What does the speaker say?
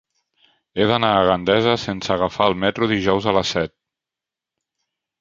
He d'anar a Gandesa sense agafar el metro dijous a les set.